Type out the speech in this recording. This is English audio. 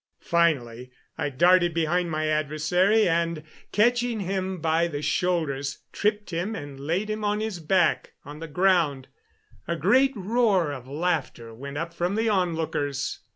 Finally I darted behind my adversary and, catching him by the shoulders, tripped him and laid him on his back on the ground A great roar of laughter went up from the onlookers.